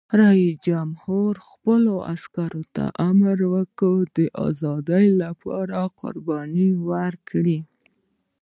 رئیس جمهور خپلو عسکرو ته امر وکړ؛ د ازادۍ لپاره قرباني ورکړئ!